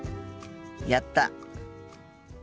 やった。